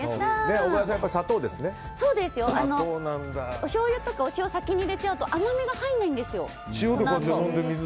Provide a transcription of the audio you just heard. おしょうゆとかお酢を先に入れちゃうと甘みが入らないんですよ。